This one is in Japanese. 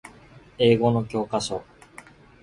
英語の教科書